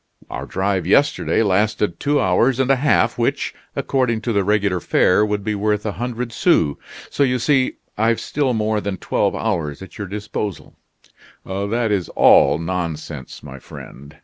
Our drive yesterday lasted two hours and a half, which, according to the regular fare, would be worth a hundred sous; so you see I've still more than twelve hours at your disposal." "That is all nonsense, my friend!"